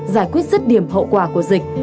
giải quyết rất điểm hậu quả của dịch